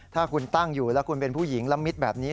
ถ้าคุณตั้งอยู่แล้วคุณเป็นผู้หญิงละมิดแบบนี้